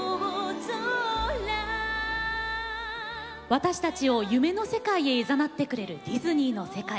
私たちを夢の世界へいざなってくれるディズニーの世界。